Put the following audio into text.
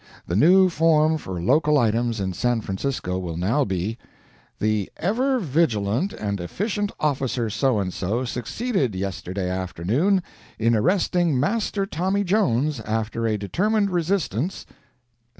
The new form for local items in San Francisco will now be: "The ever vigilant and efficient officer So and so succeeded, yesterday afternoon, in arresting Master Tommy Jones, after a determined resistance," etc.